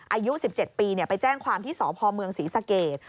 อายุ๑๗ปีไปแจ้งความที่สพศรีสะเกด